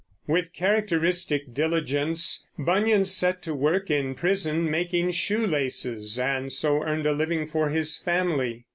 With characteristic diligence Bunyan set to work in prison making shoe laces, and so earned a living for his family.